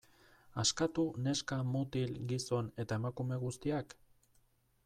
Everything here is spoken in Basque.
Askatu neska, mutil, gizon eta emakume guztiak?